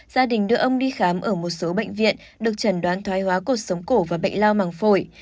gia đình đưa ông đi khám ở một số bệnh viện được trần đoán thoái hóa cột sống cổ và bệnh lao màng phổi